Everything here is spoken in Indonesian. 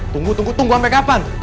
tunggu tunggu sampai kapan